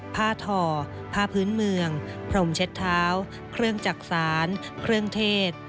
ผ้าทอผ้าพื้นเมืองพรมเช็ดเท้าเครื่องจักษานเครื่องเทศ